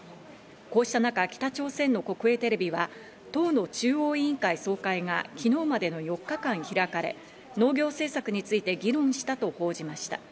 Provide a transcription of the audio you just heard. こうした中、北朝鮮の国営テレビは、党の中央委員会総会が昨日までの４日間開かれ、農業政策について議論したと報じました。